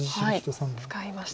使いました。